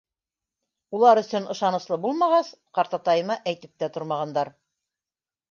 Улар өсөн ышаныслы булмағас, ҡартатайыма әйтеп тә тормағандар.